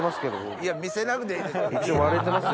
いや見せなくていいんですよ。